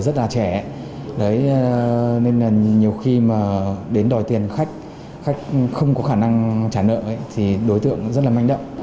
các đối tượng rất là trẻ nên là nhiều khi mà đến đòi tiền khách khách không có khả năng trả nợ thì đối tượng rất là manh đậm